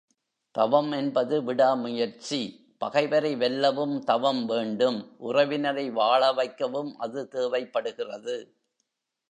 தவம் என்பது விடாமுயற்சி, பகைவரை வெல்லவும் தவம் வேண்டும் உறவினரை வாழ வைக்கவும் அது தேவைப்படுகிறது.